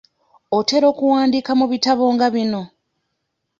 Otera okuwandiika mu bitabo nga bino?